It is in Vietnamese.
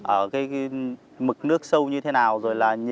ở cái mực nước sâu như thế nào